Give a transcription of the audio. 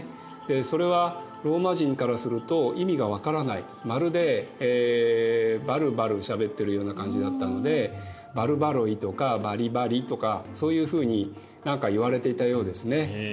それはローマ人からすると意味がわからないまるでバルバルしゃべってるような感じだったのでバルバロイとかバリバリとかそういうふうに何かいわれていたようですね。